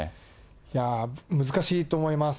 いやー、難しいと思います。